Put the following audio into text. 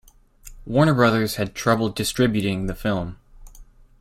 Warner Brothers had trouble distributing the film.